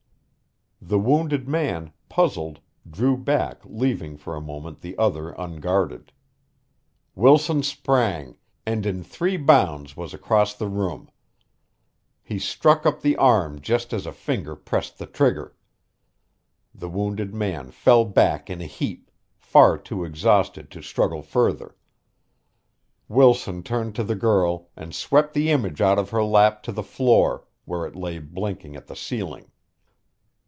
The wounded man, puzzled, drew back leaving for a moment the other unguarded. Wilson sprang, and in three bounds was across the room. He struck up the arm just as a finger pressed the trigger. The wounded man fell back in a heap far too exhausted to struggle further. Wilson turned to the girl and swept the image out of her lap to the floor where it lay blinking at the ceiling.